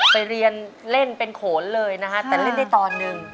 ไปเรียนเล่นเป็นโขนเลยนะฮะแต่เล่นได้ตอนหนึ่ง